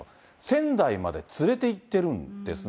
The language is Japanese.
仙台まで連れて行ってるんですね。